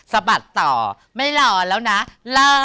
สะบัดต่อไม่รอแล้วนะเลิก